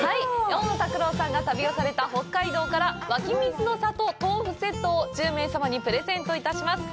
大野拓朗さんが旅をされた北海道から湧水の里豆腐セットを１０名様にプレゼントします。